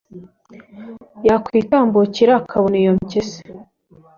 yakwitambukira akabona iyo mpyisi